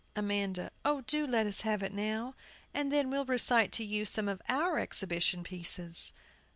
AMANDA. Oh, do let us have it now; and then we'll recite to you some of our exhibition pieces.